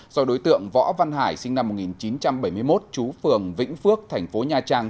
do đối tượng võ văn hải sinh năm một nghìn chín trăm bảy mươi một chú phường vĩnh phước thành phố nha trang